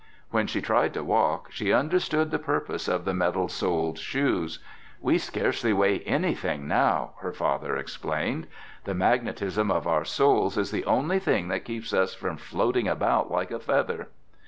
When she tried to walk, she understood the purpose of the metal soled shoes. "We scarcely weigh anything now," their father explained. "The magnetism of our soles is the only thing that keeps us from floating about like a feather."